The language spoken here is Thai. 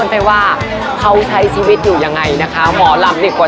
ไปว่าเขาใช้ชีวิตอยู่ยังไงนะคะหมอลำดีกว่า